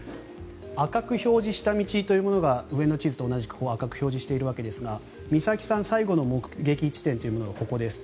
赤く表示した道というのが上の地図と同じく赤く表示しているんですが美咲さん最後の目撃地点がここです。